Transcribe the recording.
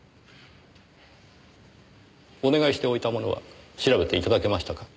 お願いしておいたものは調べて頂けましたか？